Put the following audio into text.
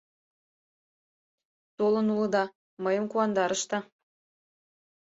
Толын улыда, мыйым куандарышда...